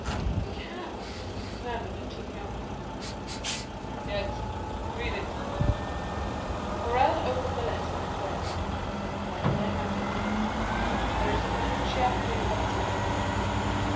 "From the count!" murmured the two young people. "Yes; read it." 50281m Morrel opened the letter, and read: "My Dear Maximilian, "There is a felucca for you at anchor.